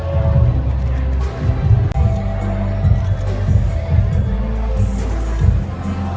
สโลแมคริปราบาล